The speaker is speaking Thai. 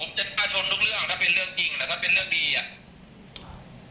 ผมจะประชนทุกเรื่องถ้าเป็นเรื่องจริงแต่ถ้าเป็นเรื่องดีอ่ะ